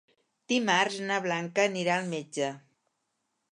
Dimarts na Blanca anirà al metge.